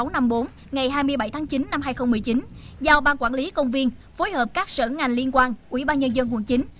ngày hai mươi bảy tháng chín năm hai nghìn một mươi chín giao ban quản lý công viên phối hợp các sở ngành liên quan ubnd tp hcm